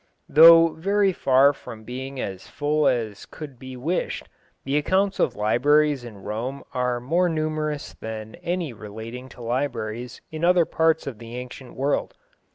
Though very far from being as full as could be wished, the accounts of libraries in Rome are more numerous than any relating to libraries in other parts of the ancient world.